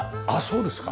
そうですか。